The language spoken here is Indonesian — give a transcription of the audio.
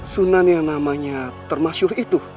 sunan yang namanya termasyur itu